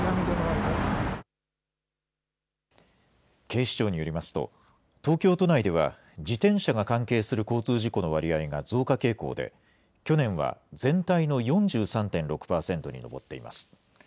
警視庁によりますと、東京都内では自転車が関係する交通事故の割合が増加傾向で、去年は全体の４３．６％に上っています。